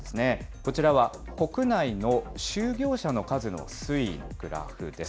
こちらは、国内の就業者の数の推移のグラフです。